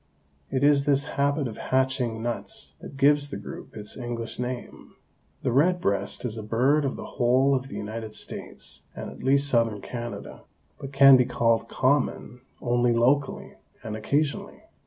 It is this habit of 'hatching' nuts that gives the group its English name. The red breast is a bird of the whole of the United States and at least southern Canada, but can be called common only locally and occasionally.